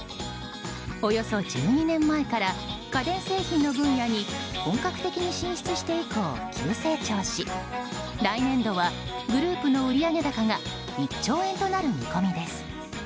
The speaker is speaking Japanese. およそ１２年前から家電製品の分野に本格的に進出して以降、急成長し来年度はグループの売上高が１兆円となる見込みです。